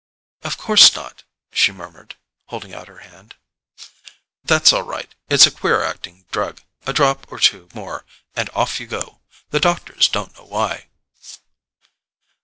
"Of course not," she murmured, holding out her hand. "That's all right: it's a queer acting drug. A drop or two more, and off you go—the doctors don't know why."